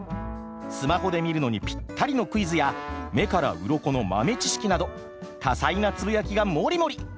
スマホで見るのにぴったりのクイズや目からうろこの豆知識など多彩なつぶやきがもりもり！